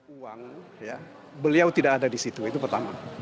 uang beliau tidak ada di situ itu pertama